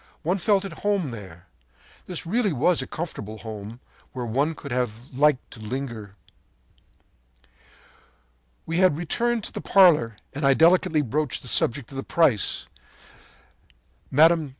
One felt at home there. This really was a comfortable home, where one would have liked to linger. “When we had returned to the parlor I delicately broached the subject of the price. Mme.